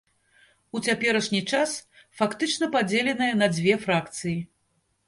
У цяперашні час фактычна падзеленая на дзве фракцыі.